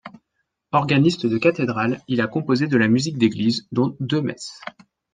Organiste de cathédrale, il a composé de la musique d’église, dont deux messes.